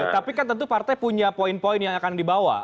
tapi kan tentu partai punya poin poin yang akan dibawa